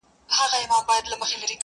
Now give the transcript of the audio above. • راسه قباله يې درله در کړمه،